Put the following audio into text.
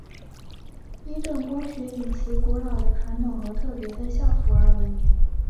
伊顿公学以其古老的传统和特别的校服而闻名。